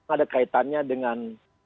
ada kaitannya dengan